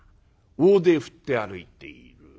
大手振って歩いている。